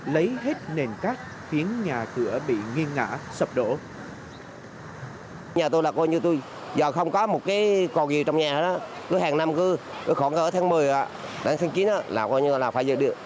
lấy hết nền cát khiến nhà cửa bị nghiêng ngã sập đổ